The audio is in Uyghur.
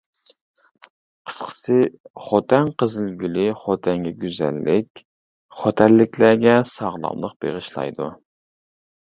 قىسقىسى، خوتەن قىزىلگۈلى خوتەنگە گۈزەللىك، خوتەنلىكلەرگە ساغلاملىق بېغىشلايدۇ.